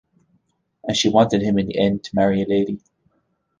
And she wanted him in the end to marry a lady.